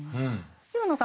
廣野さん